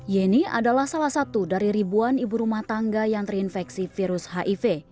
yeni adalah salah satu dari ribuan ibu rumah tangga yang terinfeksi virus hiv